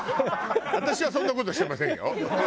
私はそんな事してませんよ。